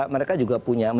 mereka juga punya